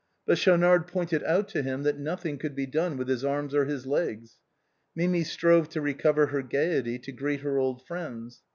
But Schaunard pointed out to him that nothing could be done with his arms or his legs. Mi mi strove to recover her gaiety to greet her old friends.